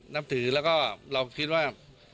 นับถือแล้วก็เราคิดว่า